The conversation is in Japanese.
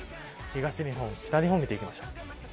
東日本北日本見ていきましょう。